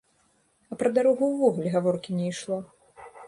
А пра дарогу ўвогуле гаворкі не ішло!